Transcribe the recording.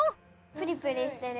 プリプリしてる。